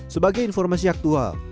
sebagai informasi aktual